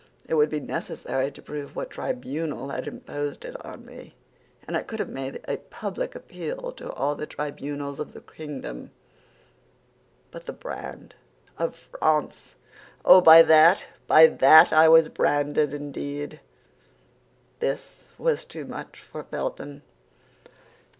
—it would be necessary to prove what tribunal had imposed it on me, and I could have made a public appeal to all the tribunals of the kingdom; but the brand of France!—oh, by that, by that I was branded indeed!" This was too much for Felton.